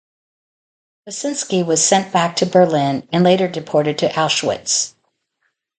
Basinski was sent back to Berlin and later deported to Auschwitz.